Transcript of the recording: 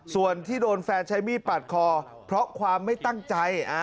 ส่วนที่โดนแฟนใช้มีดปาดคอเพราะความไม่ตั้งใจ